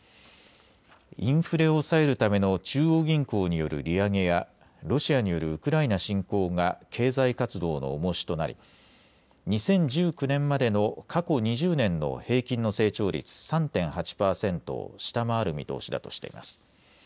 インフレを抑えるための中央銀行による利上げやロシアによるウクライナ侵攻が経済活動の重しとなり２０１９年までの過去２０年の平均の成長率３．８％を下回る見通しだとしています。